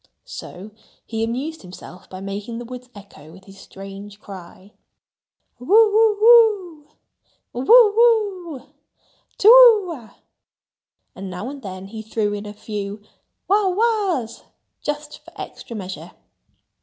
So he amused himself by making the woods echo with his strange cry, "Whoo whoo whoo, whoo whoo, to whoo ah!" And now and then he threw in a few "wha whas," just for extra measure.